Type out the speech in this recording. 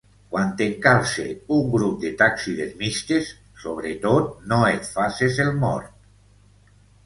Quan t'encalce un grup de taxidermistes, sobretot no et faces el mort!